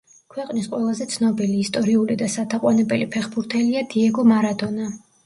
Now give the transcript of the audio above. ქვეყნის ყველაზე ცნობილი, ისტორიული და სათაყვანებელი ფეხბურთელია დიეგო მარადონა.